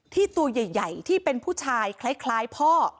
ตัวใหญ่ที่เป็นผู้ชายคล้ายพ่อ